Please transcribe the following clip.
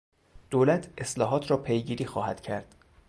دولت اصلاحات را پیگیری خواهد کرد.